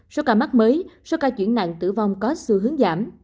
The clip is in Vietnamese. sau cả mắc mới số ca chuyển nặng tử vong có sự hướng giảm